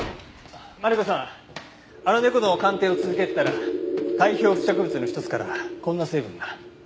マリコさんあの猫の鑑定を続けてたら体表付着物の１つからこんな成分が。